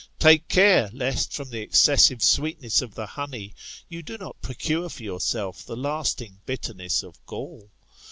Take care, lest from the excessive sweetness of the honey, you do not procure for yourself the lasting bitterness of gall.